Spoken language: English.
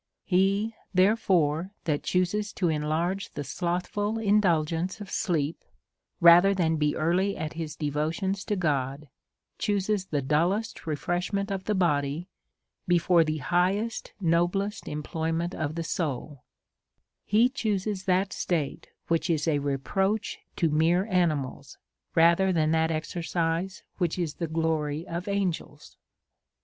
He, therefore, that chooses to enlarge the slothful indulgence of sleep, rather than be early at his devotions to God, chooses the dullest refreshment of the body, before the highest, noblest employment of the soul ; he chooses that state, which is a reproach to mere animals, rather than that exercise, which is the glory of angels.